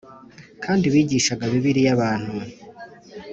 kandi bigishaga Bibiliya abantu